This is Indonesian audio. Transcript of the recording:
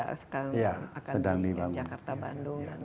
di jakarta bandung dan lain